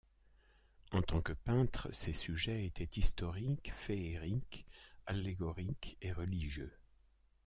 En tant que peintre, ses sujets étaient historiques, féeriques, allégoriques et religieux.